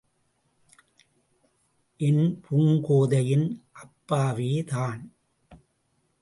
என் பூங்கோதையின் அப்பாவேதான்!